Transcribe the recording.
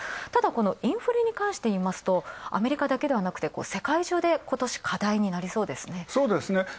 ただ、このインフレに関していいますと、アメリカだけでなく、世界中で今年、課題になりそうですね。